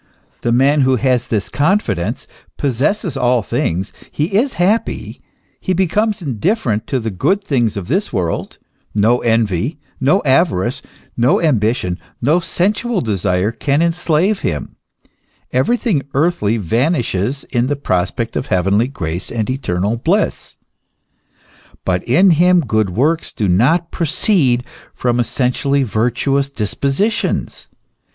The man who has this confidence possesses all things ; he is happy ;* he becomes indifferent to the good things of this world ; no envy, no avarice, no ambition, no sensual desire, can enslave him ; everything earthly vanishes in the prospect of heavenly grace and eternal bliss. But in him good works do not proceed from essentially virtuous dispositions.